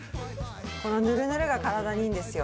このヌルヌルが体にいいんですよ。